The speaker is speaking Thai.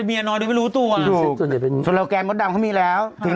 ไม่คนนี้ไม่ชอบเป็นสองเขาชอบเป็นหนึ่ง